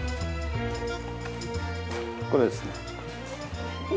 ここですね。